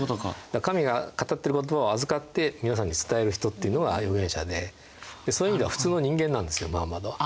神が語ってる言葉を預かって皆さんに伝える人っていうのは預言者でそういう意味では普通の人間なんですよムハンマドは。